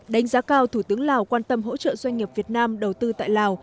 đánh giá cao thủ tướng lào quan tâm hỗ trợ doanh nghiệp việt nam đầu tư tại lào